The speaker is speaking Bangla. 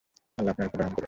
আল্লাহ আপনার উপর রহম করুন।